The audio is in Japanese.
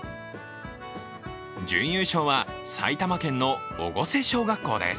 準優勝は埼玉県の越生小学校です。